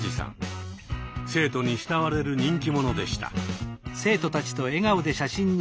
生徒に慕われる人気者でした。